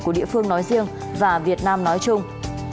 của địa phương nói riêng và việt nam nói chung